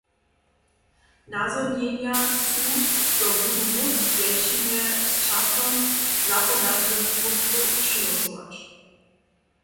Nazhonjenja su, zo budu móc wjetšinje sčasom zapodatych próstwow přihłosować.